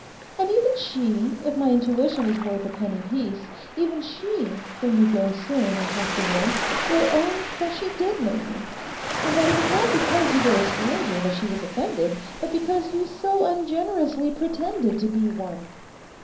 And even she, if my intuition is worth a penny piece, even she when you go soon and talk to her will own that she did know you, and that it was not because you were a stranger that she was offended, but because you so ungenerously pretended to be one.